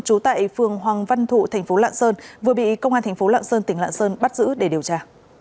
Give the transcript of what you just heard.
trú tại phường hoàng văn thụ tp lạng sơn vừa bị công an tp lạng sơn tỉnh lạng sơn bắt giữ để điều tra